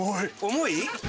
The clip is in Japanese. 重い？